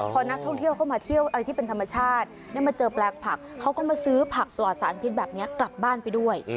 พอนักท่องเที่ยวเข้ามาเที่ยวอะไรที่เป็นธรรมชาติได้มาเจอแปลงผักเขาก็มาซื้อผักปลอดสารพิษแบบนี้กลับบ้านไปด้วย